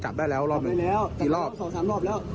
จับได้แล้วสองสามรอบแล้ว